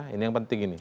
ini yang penting ini